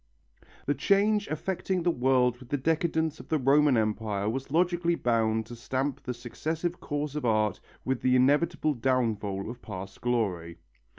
The change affecting the world with the decadence of the Roman Empire was logically bound to stamp the successive course of art with the inevitable downfall of past glory.